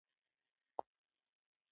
د دې کار لپاره ترمامتر باید درجه بندي شي.